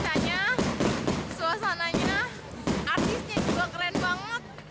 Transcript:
rasanya suasananya artisnya juga keren banget